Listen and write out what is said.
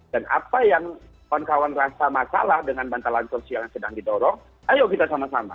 dan apa yang kawan kawan rasa masalah dengan bantalan sosial yang sedang didorong ayo kita sama sama